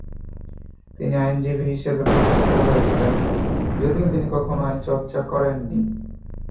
তিনি আইনজীবী হিসেবে প্রশিক্ষিত হয়েছিলেন, যদিও তিনি কখনো আইন চর্চা করেননি।